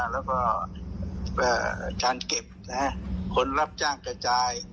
แล้วก็ชานเก็บคนรับจ้างกระจาย